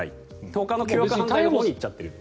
ほかの凶悪犯罪のほうに行っちゃっている。